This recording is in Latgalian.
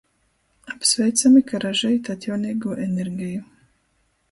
Apsveicami, ka ražojit atjauneigū energeju!